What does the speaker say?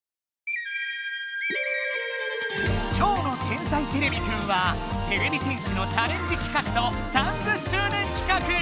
今日の「天才てれびくん」はてれび戦士のチャレンジ企画と３０周年企画！